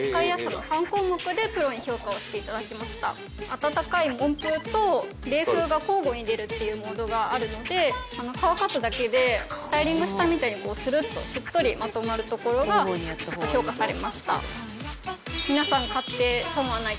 温かい温風と冷風が交互に出るっていうモードがあるので乾かすだけでスタイリングしたみたいにスルッとしっとりまとまるところが評価されました。